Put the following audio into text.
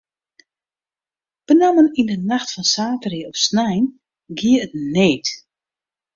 Benammen yn de nacht fan saterdei op snein gie it need.